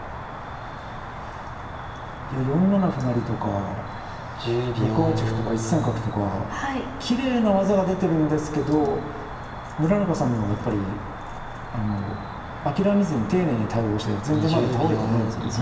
４七歩成とか６八歩とか１三角とかきれいな技が出てるんですけど村中さんの方がやっぱり諦めずに丁寧に対応して全然まだ倒れてないですもんね。